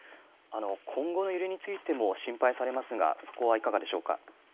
今後の揺れについても、心配されますが、そこはいかがでしょう